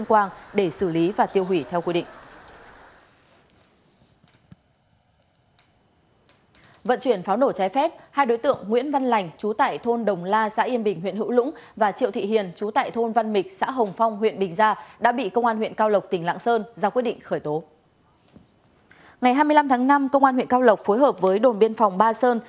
ngày hai mươi năm tháng năm công an huyện cao lộc phối hợp với đồn biên phòng ba sơn